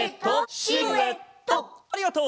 ありがとう。